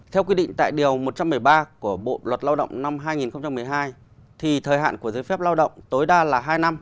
theo quy định tại điều một trăm một mươi ba của bộ luật lao động năm hai nghìn một mươi hai thì thời hạn của giấy phép lao động tối đa là hai năm